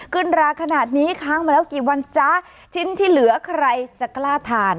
ราขนาดนี้ค้างมาแล้วกี่วันจ๊ะชิ้นที่เหลือใครจะกล้าทาน